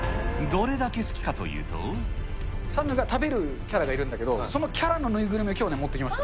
サムが食べるキャラがいるんだけど、そのキャラの縫いぐるみをきょう持ってきました。